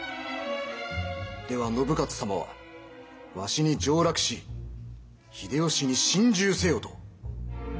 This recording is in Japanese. では信雄様はわしに上洛し秀吉に臣従せよと。